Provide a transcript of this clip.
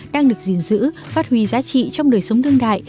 đang được gìn giữ phát huy giá trị trong đời sống đương đại